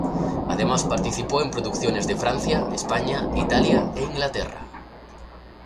Además participó en producciones de Francia, España, Italia e Inglaterra.